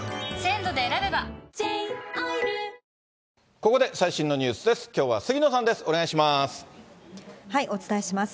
ここで最新のニュースです。